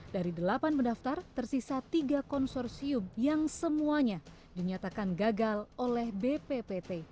dari delapan mendaftar tersisa tiga konsorsium yang semuanya dinyatakan gagal oleh bppt